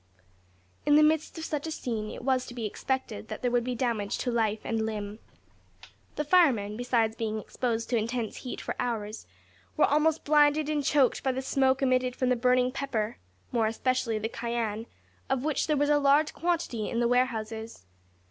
In the midst of such a scene it was to be expected that there would be damage to life and limb. The firemen, besides being exposed to intense heat for hours, were almost blinded and choked by the smoke emitted from the burning pepper more especially the cayenne of which there was a large quantity in the warehouses.